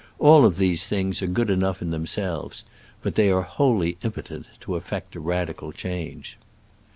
All of these things are good enough in themselves, but they are wholly impotent to eff"ect a radical change.